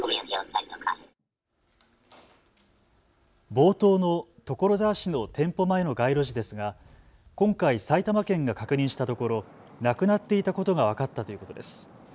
冒頭の所沢市の店舗前の街路樹ですが今回、埼玉県が確認したところ、なくなっていたことが分かったということです。